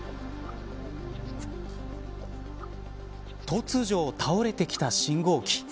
突如、倒れてきた信号機。